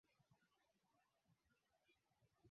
aa vikosi vya umoja wa afrika